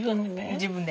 自分で。